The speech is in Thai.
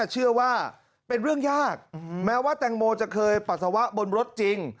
เชื่อว่าเป็นเรื่องยากแม้ว่าแตงโมจะเคยปัสสาวะบนรถจริง